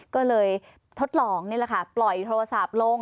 ก็เลยทดลองนี่แหละค่ะปล่อยโทรศัพท์ลง